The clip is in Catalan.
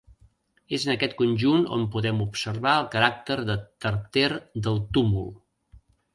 És en aquest conjunt on podem observar el caràcter de tarter del túmul.